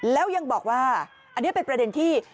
แล้วยังบอกว่าอันนี้เป็นประเด็นที่